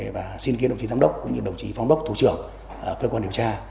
và xin kiến đồng chí giám đốc cũng như đồng chí phó đốc thủ trưởng cơ quan điều tra